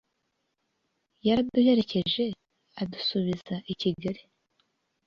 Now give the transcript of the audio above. yaraduherekeje adusubiza i kigali